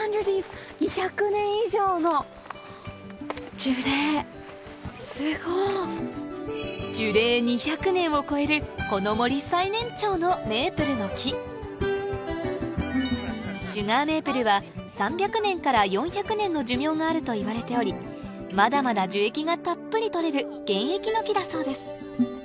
Ｙｅａｈ．樹齢２００年を超えるこの森最年長のメープルの木シュガーメープルは３００年から４００年の寿命があるといわれておりまだまだ樹液がたっぷり採れる現役の木だそうです